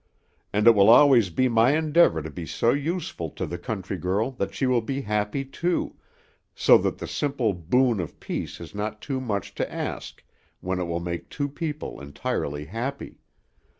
And it will always be my endeavor to be so useful to the country girl that she will be happy, too, so that the simple boon of peace is not too much to ask when it will make two people entirely happy.